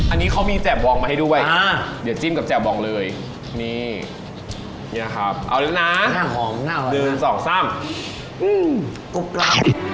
อันนี้เขามีแจ๊ดบองมาให้ดูไว้เดี๋ยวจิ้มกับแจ๊ดบองเลยนี่นี่นะครับเอาเลยนะหน้าหอมหน้าอร่อยนะ